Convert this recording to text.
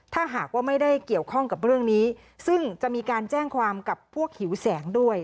ถ้าหากว่าไม่ได้เกี่ยวข้องกับเรื่องนี้ซึ่งจะมีการแจ้งความกับพวกหิวแสงด้วย